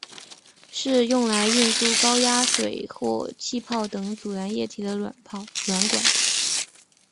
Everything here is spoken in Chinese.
是用来运送高压水或泡沫等阻燃液体的软管。